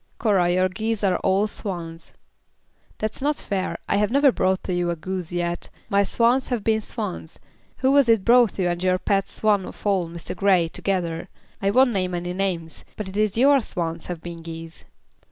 "Cora, your geese are all swans." "That's not fair. I have never brought to you a goose yet. My swans have been swans. Who was it brought you and your pet swan of all, Mr. Grey, together? I won't name any names, but it is your swans have been geese."